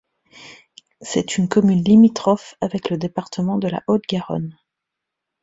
C'est une commune limitrophe avec le département de la Haute-Garonne.